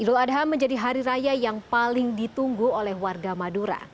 idul adha menjadi hari raya yang paling ditunggu oleh warga madura